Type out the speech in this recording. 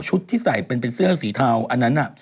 ที่ใส่เป็นเสื้อสีเทาอันนั้นน่ะ